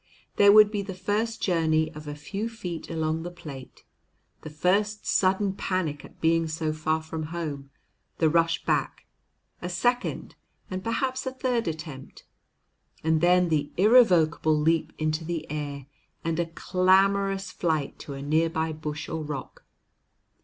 There would be the first journey of a few feet along the plate, the first sudden panic at being so far from home, the rush back, a second and perhaps a third attempt, and then the irrevocable leap into the air, and a clamorous flight to a near by bush or rock.